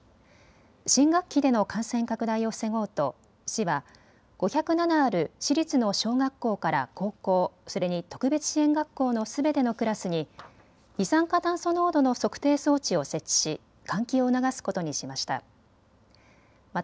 新学期での感染拡大を防ごうと市は５０７ある市立の小学校から高校、それに特別支援学校のすべてのクラスに二酸化炭素濃度の測定装置を設置し換気を促すことにしました。